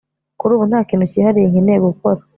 kuri ubu nta kintu cyihariye nkeneye gukora